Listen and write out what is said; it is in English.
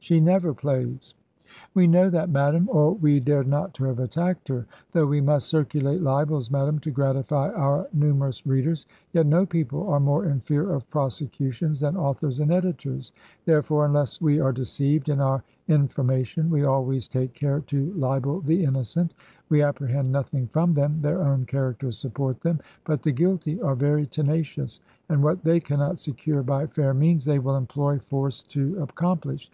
She never plays." "We know that, madam, or we dared not to have attacked her. Though we must circulate libels, madam, to gratify our numerous readers, yet no people are more in fear of prosecutions than authors and editors; therefore, unless we are deceived in our information, we always take care to libel the innocent we apprehend nothing from them their own characters support them but the guilty are very tenacious; and what they cannot secure by fair means, they will employ force to accomplish.